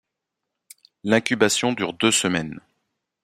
L'incubation dure deux semaines.